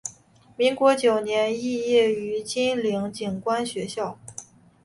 民国九年肄业于金陵警官学校。